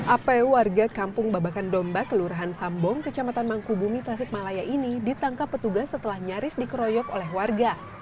ap warga kampung babakan domba kelurahan sambong kecamatan mangkubumi tasikmalaya ini ditangkap petugas setelah nyaris dikeroyok oleh warga